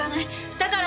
だから。